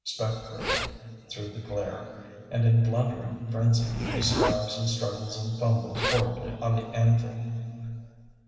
Spectrally through the glare, and in blundering frenzy, he strives and struggles and fumbles horribly on the anvil.